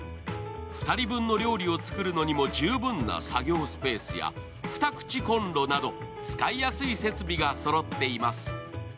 ２人分の料理を作るのにも十分な作業スペースや２口コンロなど使いやすい設備がそろっています。